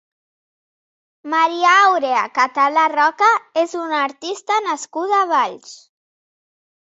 Maria Àurea Català Roca és una artista nascuda a Valls.